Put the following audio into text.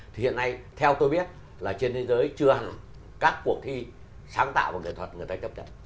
thì hiện nay theo tôi biết là trên thế giới chưa hẳn các cuộc thi sáng tạo và kỹ thuật